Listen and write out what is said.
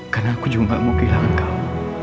karena aku juga gak mau kehilangan kamu